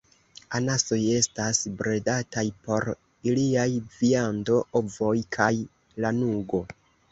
Anasoj estas bredataj por iliaj viando, ovoj, kaj lanugo.